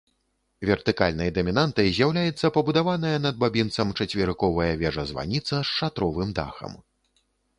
Вертыкальнай дамінантай з'яўляецца пабудаваная над бабінцам чацверыковая вежа-званіца з шатровым дахам.